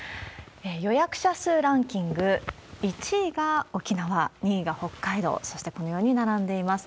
予約者数ランキング１位が沖縄、２位が北海道、そしてこのように並んでいます。